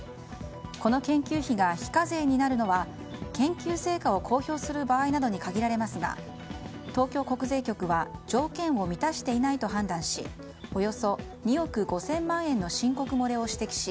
この研究費が非課税になるのは研究成果を公表する場合などに限られますが東京国税局は条件を満たしていないと判断しおよそ２億５０００万円の申告漏れを指摘し